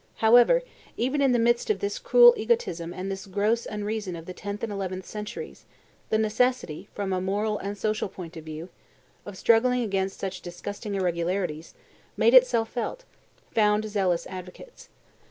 However, even in the midst of this cruel egotism and this gross unreason of the tenth and eleventh centuries, the necessity, from a moral and social point of view, of struggling against such disgusting irregularities, made itself felt, and found zealous advocates.